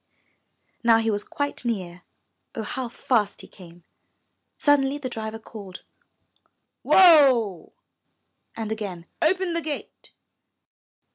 Now he was quite near, oh, how fast he came! Suddenly the driver called, ''Whoa!" and again, ''Open the gate."